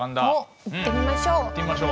行ってみましょう。